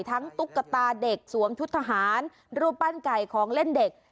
ตุ๊กตาเด็กสวมชุดทหารรูปปั้นไก่ของเล่นเด็ก